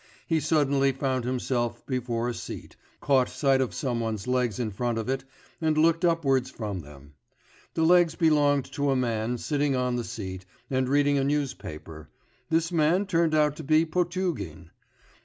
He suddenly found himself before a seat, caught sight of some one's legs in front of it, and looked upwards from them.... The legs belonged to a man, sitting on the seat, and reading a newspaper; this man turned out to be Potugin.